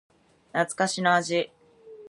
懐かしの味